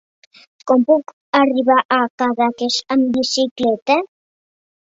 Com puc arribar a Cadaqués amb bicicleta?